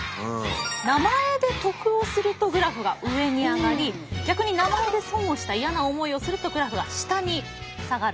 名前で得をするとグラフが上に上がり逆に名前で損をした嫌な思いをするとグラフが下に下がる。